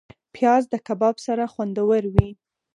پیاز د کباب سره خوندور وي